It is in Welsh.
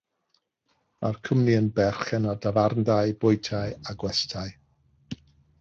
Mae'r cwmni'n berchen ar dafarndai, bwytai a gwestai.